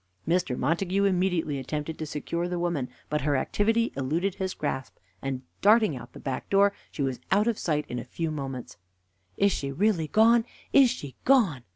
Mr. Montague immediately attempted to secure the woman, but her activity eluded his grasp, and darting out at the back door she was out of sight in a few moments. "Is she really gone? Is she gone?"